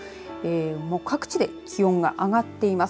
各地で気温が上がっています。